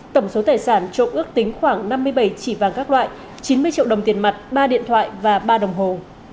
tổng số tài sản trộm ước tính khoảng năm mươi bảy chỉ vàng các loại chín mươi triệu đồng tiền mặt ba điện thoại và ba đồng hồ